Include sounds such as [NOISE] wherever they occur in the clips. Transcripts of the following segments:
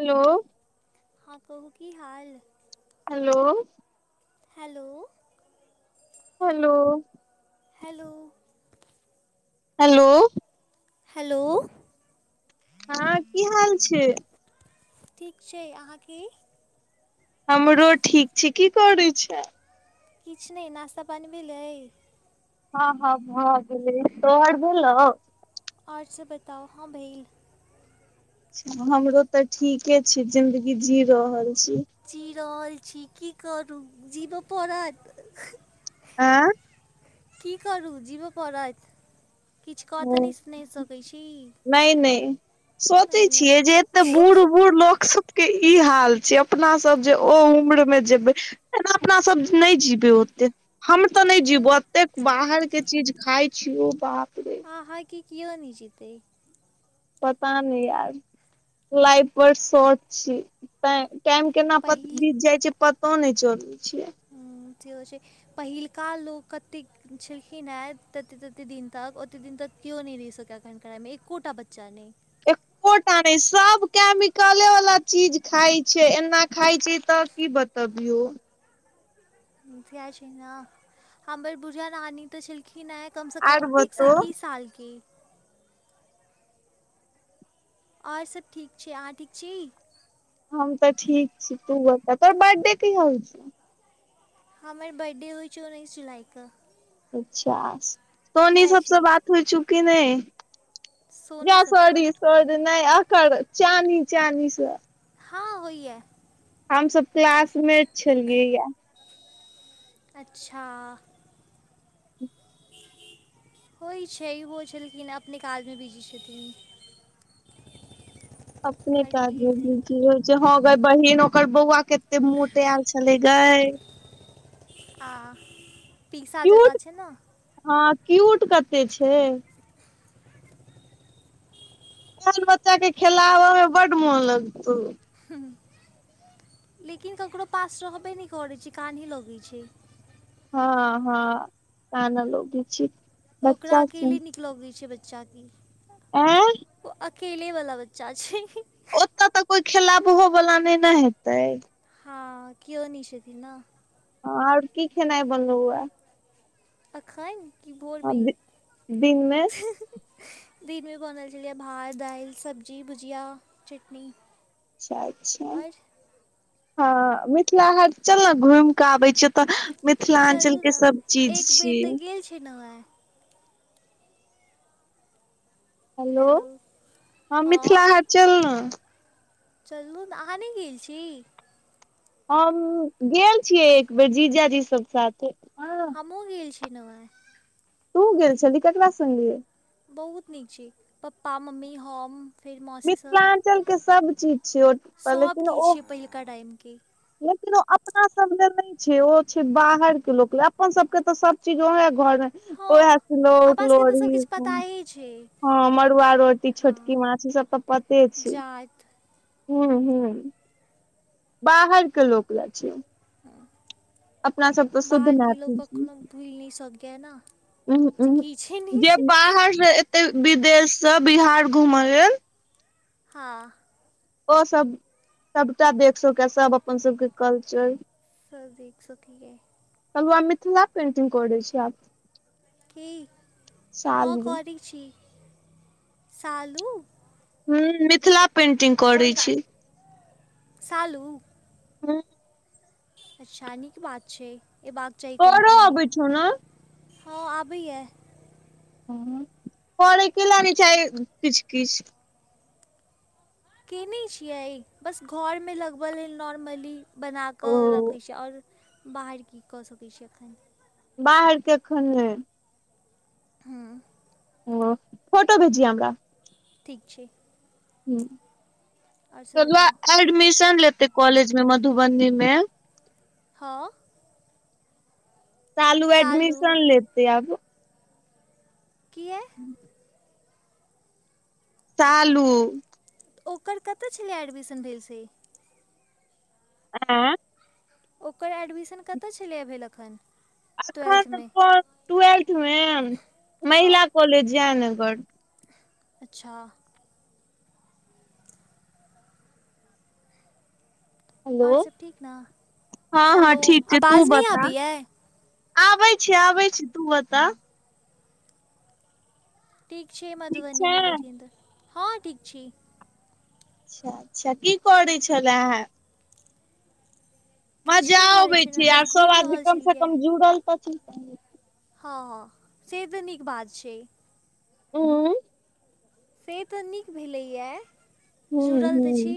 Hello हँ कहू की हाल hello hello hello hello hello hello हँ की हाल छै ठीक छै अहाँके हमरो ठीक छै की करैत छ किछ नई नश्ता पानी भलाई हँ हँ भऽ गेलै तोहर भेलौ आर सब बताउ हँ भेल हमरो तऽ ठीके छै जिंन्दगी जी रहल छी जी रहल छी की करू जीबऽ पड़त [UNINTELLIGIBLE] की करू जीबा पड़त किछु क तऽ नहि सकैत छी नई नई सोचै नहि नहि छियै जे एते बूढ़ बूढ़ लोक सब के ई हाल छै अपना सब जे ओ उम्र मे जे बाई ऐना अपना सब नई जीबे ओते हम तऽ नई हम्म, जीबो अतेक बाहर नहि के चीज खााय छीय ओ बाप रे आहाँ कि‌ कियौ नई जीतै पता नई यार लाइफ पर शॉर्ट छी तै टाइम केना प पहिल बीत जाइ छै पतो नहि चलै छैयै अथि होई छै पहिलका लोको कतेक छलखिन हे ततेक तते दिन तक ओते दिन तक केओ नई रहि सकैए एखन करामे एकोटा बच्चा नई [UNINTELLIGIBLE] एको टा नै सब केमिकले वाला चीज खाय छै एना खाय छै तऽ की बता तबीयो [UNINTELLIGIBLE] छी ने हमार बुझा नानी तऽ छलखिन हँ कमसँ आर कम एक स बतो आएकिस सालके और सभ ठीक छै अहाँ ठीक छी हम तऽ ठीक छी तू बता तोहर बर्थडे काहीया होई छऔ हमर बर्थडे होइ छै उन्नैस जुलाइके अच्छा सोनी इएह सबसँ छै बात होइ छौ कि नई सोनी जा सबसँ सोरी सोरी नई आकर चानी चनी स हँ होएै हम सब क्लासमेट छलियै या अच्छा होइ छै ओहो छलखिन अपने काजमे बिजी छथिन [INAUDIBLE] अपने आओर की काज मे हेतै बीजी रहे छै ह गाई बहिन ओकर बौआ कते मोटेल छलै गाय आ पीसा जका क्यूट छै ने हँ क्यूट कते छै [UNINTELLIGIBLE] बच्चा के खेलाबा मे बड मोन लगतौ लेकिन ककरो पास रहबे नई करैत छै कानहे लगैत छै हँ हँ काना लोगे छैई ओकरा अकेले नीक लगैत छै बच्चाके आ ओ अकेले वाला बच्चा छै ओतऽ तऽ कोई खेलाबहो वला नहि ने हेतै हँ केओ नहि छथिन ने ह आओर की खेनाइ बनलौय? अखनि की हँ भोरमे? दि दिनमे दिनमें बनल छलियै भात दालि सब्जी भुजिया चटनी। अच्छा अच्छा आओर हँ मिथिला हाट चल ने घुम कऽ आबै छि तऽ मिथिलाञ्चल चलू ने के सब चीज एक बेर तऽ छीयै। गेल छलव हे। हेलो हँ मिथिला हाट चल ना। चलू अहाँ नहि गेल छी? हम गेल छियै एक बेेर जीजाजी सब साथे। हँ हमहू गेल छलहु हे। तूहु गेल छलही ककरा संगे? बहुत निक छैय पापा मम्मी हम। फेर मौसी सब मिथिलांचल के सब चीज छै ओ तऽ सब लेकिन किछु ओ छैय पहिलका टाइम के। लेकिन ओ [INAUDIBLE] अपना सब ले नहि छैय ओ छैय बाहर के लोक लय अपन सब के तऽ सब चीज ओहे घरमे ओहे हँ सिलौट अपना सबके तऽ लोरी। सबकिछु पताए छै हँ मड़ुआ रोटी हँ छोटकी माछ ई सब तऽ पते छैय। जात हू हूँ बाहर के लोक ले छैय। [INAUDIBLE] अपना सब त शुद्ध बाहरके मैथिल लोक छी। कखनो भूलि नहि सकैए ने अहू जे अहू की छै नहि जे छै बाहरसँ एतय विदेशसँ बिहार घूमय लेल हँ ओ सभ सभटा देख सकैया सब अपन सभके कल्चर। [UNINTELLIGIBLE] कहलू आ मिथिला पेन्टिंग करै छी आब। क साल हँ मे करै छी शालू। हँ मिथिला पेन्टिंग करैत छी। सालू? हूं अच्छा नीक बात छैय अयबाक चाही कनिक करो मनिक। अबै छौ ने हँ अबैया। करै केला नहि चाही किछु किछु। केने छियै बस घरमे लगबऽ लेल नॉर्मली। ओ बनाकऽ रखैत छि आओर बाहर की कऽ सकैत छी एखन। बाहर के एखन नहि। हँ ओ फोटो भेजिहे हमरा। ठीक छैय। सब गोलुआ बताउ एडमिशन लेते कॉलेज मे मधुबनीमे। हँ सालू एडमिशन लेतय किए? शालू ओकर कतऽ छलै एडमिशन भेल से? आ ओकर एडमिशन कतय छलै भेल अखन अखन [UNINTELLIGIBLE] ट्वेल्थ मे हँ महिला कॉलेज जयनगर अच्छा आओर हेलो सब ठीक ने हाँ हाँ हेलो ठीक छै तू आवाज नहि बता आबैए आबै छी आबै छी तू बता ठीक छी ठीक मधुबनी छै मे लेके अंदर हँ ठीक छि अच्छा अच्छा की करै छलेहै किछु मजा नहि करै अबै छलहुँ छी बस आर घुमि सब आदमी रहल कम स छलियै कम जुड़ल त कनी हँ हँ से तऽ नीक बात छै हू [UNINTELLIGIBLE] से तऽ नीक भेलैया हुं जुड़ल तऽ छी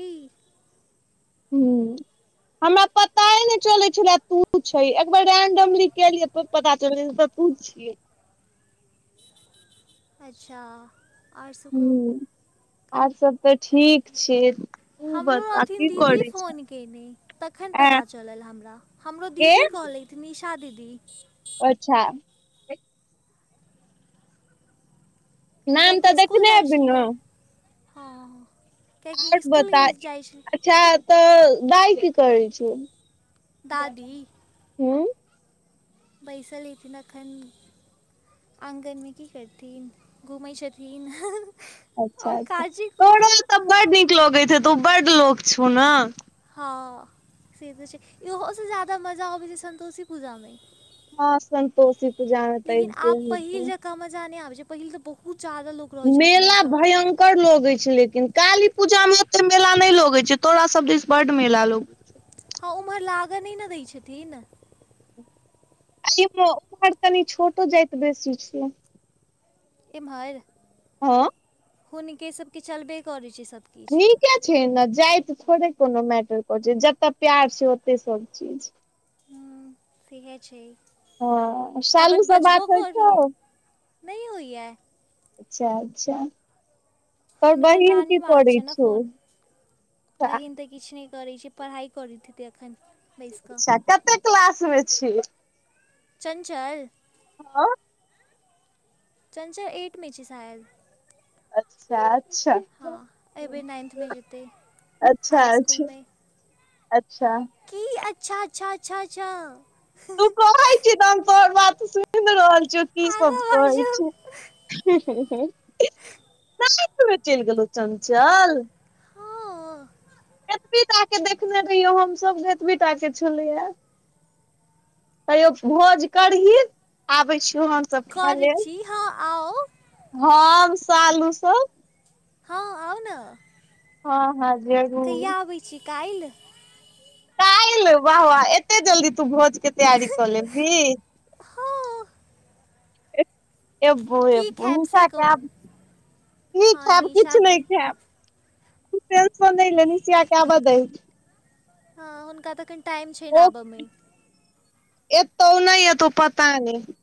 हूँ हमरा पताए नहि चलै छलए तू छै एकबार रेंडमली केलियै तो पता चल तू छियै अच्छा आर सब कहूं हुं आर सब तऽ ठीक छि हमरो रहथिन दीदी फोन केयने तखन ऐं पता चलल हमरा हमरो के दीदी कहलेथ निशा दीदी अच्छा नाम तऽ कयैकी स्कुल देखने हेबही न जाइछिलियै हँ कियाकि ओर इसकुल बता गेल जाइ छल अच्छा तऽ दाइ की करै छै दादी हू [UNINTELLIGIBLE] बैसलीथिनाखन [UNINTELLIGIBLE] आँगनमे की करथिन घुमै छथिन अच्छा आओर अच्छा काजी तोरा कोन तऽ बड नीक लगैत हेतो बड लोक छौ ना हँ से तऽ छै इहो से ज्यादा मजा अबै छै सन्तोषी पूजा मे हँ संतोषि लेकिन आब पहिल जँका मजा नहि आबैत छै पहिल तऽ बहुत ज्यादा लोक रहैत छलखिन हँ तऽ कर लोगे छै लेकिन काली पूजा में ओते मेला नहि लगे छै तोरा सब दिस बड मेला लग हँ उम्हर लागऽ नहि ने दै छथिन छै उम्हर कनि छोटो जाति बेसी छिय इमहर हँ हुनके सबके चलबे करै छै सब नीके छै ने जाइत त थोड़े कोनो मैटर कर छै जता प्यार छै ओते सभ चीज हूँ ठीके छै हँ अपन सालूसँ बात बजबो होइ करियै छौ नहि होइए अच्छा अच्छा तर हुनकर बहिन नानी की मारक करै छै छौ किछ नहि करैत छै पढ़ाई करैत हेतै एखन बैसि कऽ अच्छा कते क्लास मे छिय चंचल हँ चंचल एट मे छै सायद अच्छा अच्छा हँ अच्छा एहि बेेर नाइन्थमे जेतै अच्छा हाई अच्छा इसकुलमे अच्छा की अच्छा अच्छा अच्छा छा तू कहै छी तऽ हम तोहर बात सुनि रहल छियौ की सब आगाँ कहै बाजू छी नाइन्थमे चलि गेलौ चंचल हँ एतेटाके देखने रहियौ हमसभ गै एतबेटाके छलैये कहियो भोज करही आबै छियौ हमसभ खे करै लेल छी हँ आउ हम सालू सब हँ आउ न हँ हँ जरूर छिकाइल बाह वाह एते जल्दी तू भोज के तैयारी कऽ लेबही हँ एबौ की एबौ खैबसे [UNINTELLIGIBLE] कहू खेब की हँ खेब निशा किछु नहि दी खेब तु टेंशन नै ले निशिया के आबऽ दहि हँ हुनका तऽ अखन टाइम छै नऽ ओ आबऽमे एतौ नहि एतौ पता नहि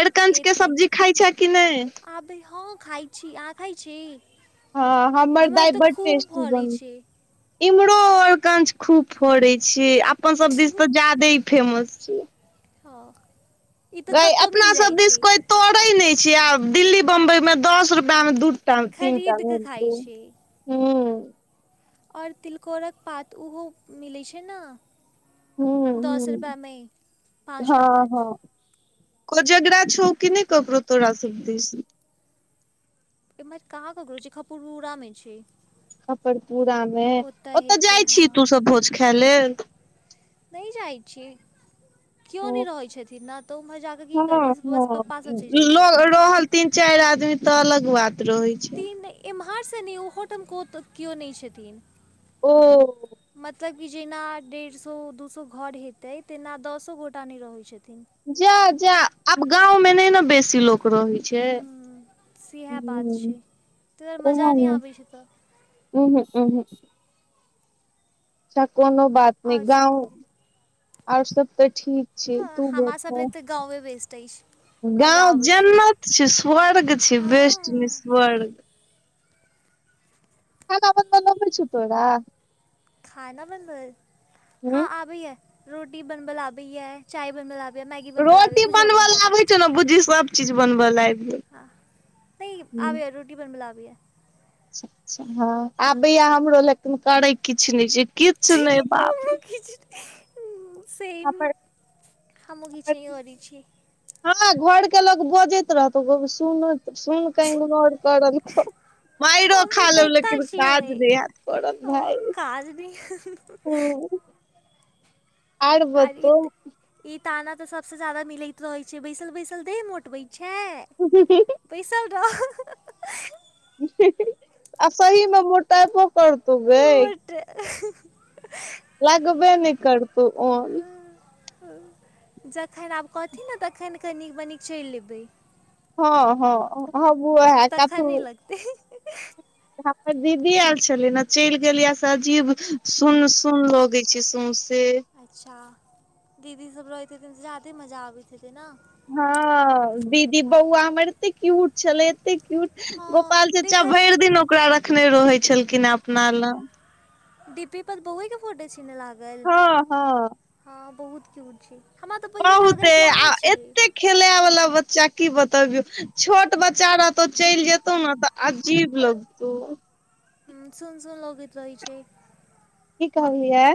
अरिकंच के सब्जी खाय छे कि नहि अबी हँ खाइ छी अहाँ खाइ छी हँ हमर एम्हर दाइ तऽ बड खूब टेस्टी बन भरै छै इम्हरो अरकंच खूब फड़ै छियै अपन सभ दिस तऽ जादेही फेमस छै हँ ई तऽ गै कतहु मिल अपनासभ जाइ दिस छै कोइ तोड़ै नहि छै आब दिल्ली बम्बइमे दस रुपैयामे दू तहन तीनटा खरीद कऽ खाइ मिलतौ छै हूंम्म आओर तिलकोरक पात ओहो मिलै छै न हूंम्म हूंम्म हँ पाँचटा पात हँ कोजगड़ा छौ कि नहि ककरो तोरा सब दिस एम्हर कहाँ ककरो छै खपरपुरा मे छै खपरपुरा मे ओतय ओतऽ हेतै जाइ हँ छीही तू सब भोज खे लेल नहि जाय छियै क्यो नै हँ रहै छथिन न तऽ ओम्हर जाक हँ हँ ल रहल तीन चारि आदमी तऽ अलग बात रहै छै तीन एम्हरसँ नहि ओहोटम केओ नहि छथिन ओ मतलब कि जेना डेढ़ सौ दू सौ घर हेतै तेना दसो गोटा नहि रहै छथिन जा जा अब गाँव मे नहि ने बेसी लोक ओकरो होइ छै हूँ सएह बात हूंम्म छै ताहि दुआरे मजा वैहै नहि ने आबै छै तऽ उंहूं उंहूं अच्छा कोनो बात नहि आओर सब गाँव कहू आओर सब तऽ ठीक छै तू हमरा सब लै तऽ गाँवे वेस्ट अछि मजा गाँंव अबै छै जन्नत छै स्वर्ग छै हँ बेस्ट नै स्वर्ग खाना बनबल अबै छौ तोरा खाना बनबल हूँ हँ आबैयै रोटी बनबल आबैैये चाय बनबल आबै रोटी बनबल आबै छौ न बुजही सभचीज बनबल आबि गेल हय हूँ आबैये रोटी बनबल आबैये अच्छा अच्छा हँ आबैये हमरो लेकन करै किछु नहि छै किछ नै बाप [UNINTELLIGIBLE] रे किछ हमर नै सेम हमर दीदी [UNINTELLIGIBLE] हँ न घर के लो बजैत रहतौ सुन सुन क इग्नोर कदे मइरो हमसभ खा तऽ लेल एतय लेकिन छियै काज नहि हेत करल भाय [UNINTELLIGIBLE] हूँ आर ईत ई ताना तऽ सबस ज्यादा मिलैत रहे छै बैसल बैसल देह मोटबै छै [INAUDIBLE] बैसल रह आ सही मे मोटेबो करतौ गै [UNINTELLIGIBLE] लगबे नहि करतौ ओन जखन आब कहथिन ने तखन क नीक मनी चैल लेबै हँ हँ हँ [UNINTELLIGIBLE] काथू तखन [INAUDIBLE] हमर दीदी आयल छलै ने चलि गेलियै से अजीब सुन सुन लगैत छै सौंसे अच्छा दीदी सब रहैत हेथिन त जादे मजा आबैत हेतै ने हँ दीदी बौआ हमर एते क्यूट छलै एते क्यूट हँ गोपाल चाचा देखलियै भरि दिन ओकरा रखने रहै छलखिन हे अपना लग डीपी पर फौज के फोटो छी न लागल हँ हँ हँ बहुत क्यूट छै हमरा तऽ पहिले लागल बहुते कि अहाँ आ छीऐ एते खेले वाल्ला बच्चा की बतबियो छोट बच्चा र तो चलि जेतौ ने तऽ अजीब लगतो तऽ हुॅ सुन सुन लोगैत रहोैत छै की कहलियै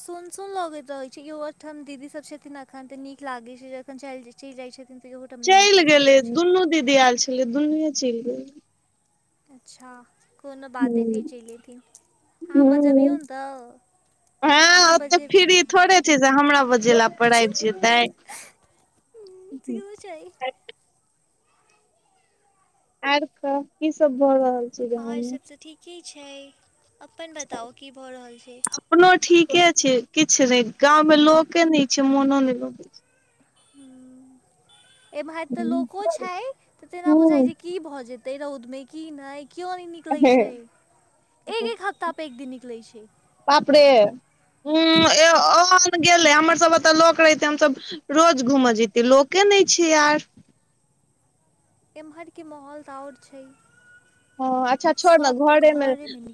सुन सुून लगैत रहै छै ईहोठाम दीदी सब छथिन त अखन तऽ नीक लागैत छै जखन चलि चलि जाइ छथिन तऽहो चलि गेलै दुनू दीदी आयल छलै दुनूए चलि गेलै अच्छा कोनो बात नहि फेर चलि अयथिन अहाँ हूँ बजबियौ ने तऽ हँ अहाँ ओते बजेबी फ्री थोड़े छै से हमरा बजे लए प आइब जेतै [UNINTELLIGIBLE] आर कह की सब भऽ रहल छै गाँव आर मे सब तऽ ठीके छै अपन बताउ की भऽ रहल छै अपनो ठीके छै किछु नहि गाँंव मे लोके नहि छै मनो नहि लगैत छै ह एमर तऽ लोको छै तऽ तेना बुझाइ हूँ छै‌कि की भऽ जेतै रौद में की न क्यो नय निकलै छै एक एक हफ्ता पे एक दिन निकलै छै बापड़े ह ओहन गेलै हमरसभ ओतय लोक रहितै हमसभ रोज घूमऽ जैतीे लोके नहि छै यार एम्हर के माहौल त और छै हँ अच्छा छोड़ ने सब के घरे मे